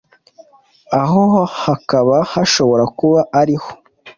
aho hakaba hashobora kuba ari ho